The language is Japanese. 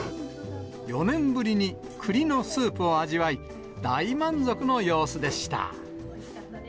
４年ぶりにくりのスープを味わい、大満足の様子でした。